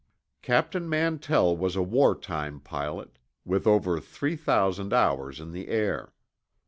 Captain Mantell was a wartime pilot, with over three thousand hours in the air.